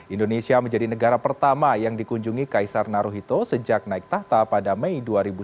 indonesia menjadi negara pertama yang dikunjungi kaisar naruhito sejak naik tahta pada mei dua ribu sembilan belas